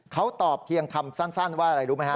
เขาตอบเพียงคำสั้นว่าอะไรรู้ไหมฮะ